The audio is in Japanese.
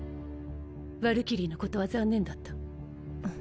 ヴァルキリーのことは残念だった。